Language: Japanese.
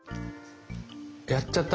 やっちゃった！